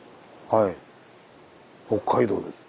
はい北海道です。